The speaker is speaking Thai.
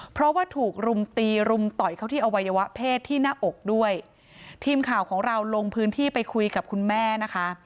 เพราะว่าถูกรุมตีรุมต่อยเขาที่อวัยวะเพศที่หน้าอกด้วยทีมข่าวของเราลงพื้นที่ไปคุยกับคุณแม่นะคะ